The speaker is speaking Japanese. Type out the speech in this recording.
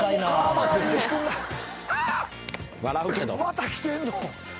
また来てんの？